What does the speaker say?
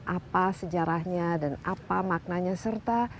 apa sejarahnya dan apa maknanya serta